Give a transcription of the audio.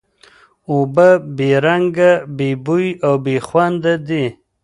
اوبه بې رنګ، بې بوی او بې خوند دي.